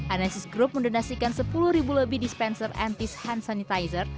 anesis group mendonasikan sepuluh ribu lebih dispenser antis hand sanitizer